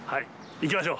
行きましょう。